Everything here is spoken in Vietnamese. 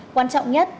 quan trọng nhất